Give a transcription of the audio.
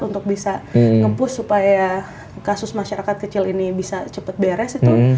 untuk bisa nge push supaya kasus masyarakat kecil ini bisa cepet beres itu